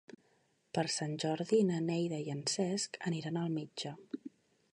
Per Sant Jordi na Neida i en Cesc aniran al metge.